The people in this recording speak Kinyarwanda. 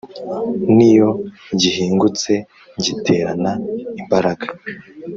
N'iyo gihingutse ngiterana imbaraga